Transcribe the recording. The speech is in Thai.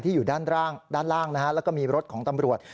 ที่อยู่ด้านล่างแล้วก็มีรถของตำรวจ